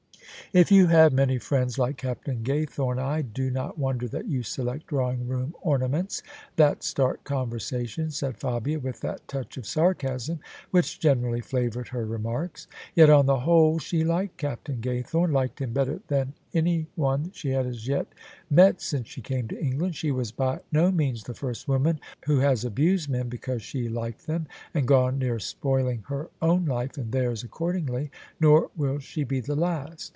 " If you have many friends like Captain Gaythome I do not wonder that you select drawing room ornaments that start conversation," said Fabia with that touch of sarcasm which generally flavoured her remarks. Yet on the whole ^e liked Captain Gaythome — ^liked him better than anyone 1 40 J OF ISABEL CARNABY she had as yet met since she came to England. She was by no means the first woman who has abused men because she liked them, and gone near spoiling her own life and theirs accordingly : nor will she be the last.